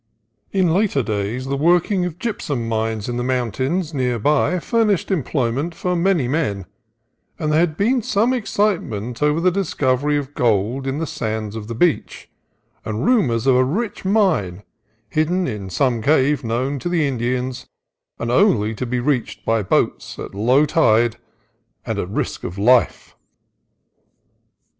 In later days the working of gypsum mines in the mountains near by furnished employment for many men, and there had been some excitement over the discovery of gold in the sands of the beach, and ru mors of a rich mine hidden in some cave known to the Indians and only to be reached by boats at low tide and at risk of life.